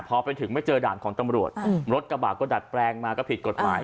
พอไปถึงไม่เจอด่านของตำรวจรถกระบะก็ดัดแปลงมาก็ผิดกฎหมาย